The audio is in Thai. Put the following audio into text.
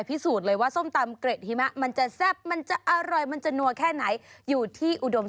พูดถึงอารมณ์แบบนี้